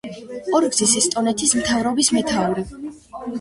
ორგზის ესტონეთის მთავრობის მეთაური.